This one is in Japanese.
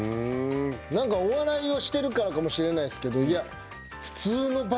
何かお笑いをしてるからかもしれないですけど。